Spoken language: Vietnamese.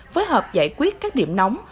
phối hợp giải quyết các điểm nóng